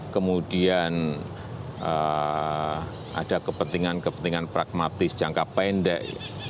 kemudian ada kepentingan kepentingan pragmatis jangka pendek